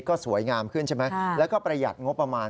ก็สวยงามขึ้นใช่ไหมแล้วก็ประหยัดงบประมาณ